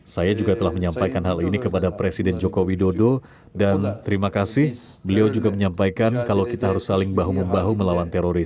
saya juga telah menyampaikan hal ini kepada dewan kemanan pbb kepada nato dan mereka semua membenarkan langkah kami